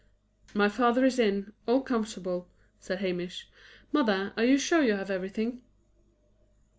"My father is in, all comfortable," said Hamish. "Mother, are you sure you have everything?"